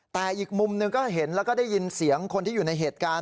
แต่อีกมุมหนึ่งก็เห็นแล้วก็ได้ยินเสียงคนที่อยู่ในเหตุการณ์